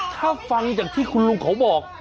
ถ้าฟังจากที่คุณลุงเขาบอก